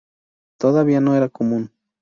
Todavía no era común.